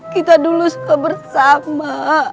kita dulu suka bersama